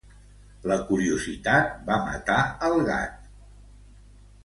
La curiositat va matar el gat.